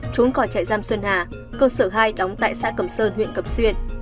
trốn khỏi trại giam xuân hà cơ sở hai đóng tại xã cẩm sơn huyện cẩm xuyên